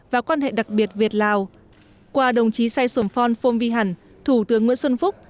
và quan hệ đặc biệt việt lào qua đồng chí saigon phong phong vi hẳn thủ tướng nguyễn xuân phúc